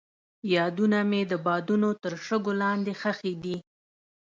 یادونه مې د بادونو تر شګو لاندې ښخې دي.